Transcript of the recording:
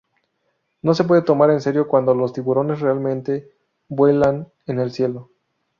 No se puede tomar en serio cuando los tiburones realmente vuelan en el cielo.